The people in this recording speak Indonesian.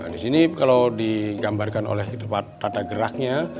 disini kalau digambarkan oleh tata geraknya